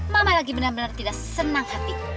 mama lagi benar benar tidak senang hati